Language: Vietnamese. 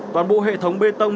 toàn bộ hệ thống bê tông